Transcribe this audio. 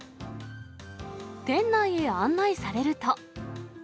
店内へ案内されると。